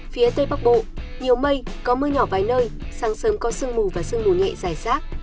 phía tây bắc bộ nhiều mây có mưa nhỏ vài nơi sáng sớm có sương mù và sương mù nhẹ dài rác